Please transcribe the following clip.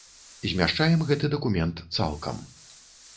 Змяшчаем гэты дакумент цалкам.